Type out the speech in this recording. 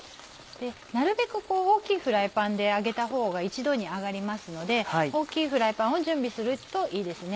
なるべく大きいフライパンで揚げたほうが一度に揚がりますので大きいフライパンを準備するといいですね。